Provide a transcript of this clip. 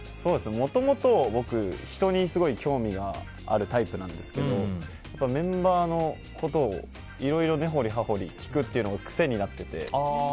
もともと、僕、人にすごい興味があるタイプなんですけどメンバーのことをいろいろ根掘り葉掘り聞くのが癖になってて。